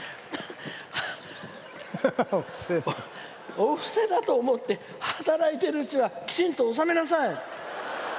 「お布施だと思って働いているうちはきちんと納めなさい」。